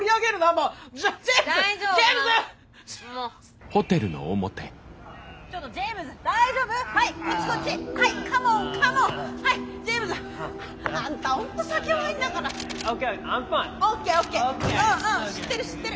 うん知ってる知ってる。